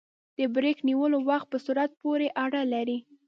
د بریک نیولو وخت په سرعت پورې اړه لري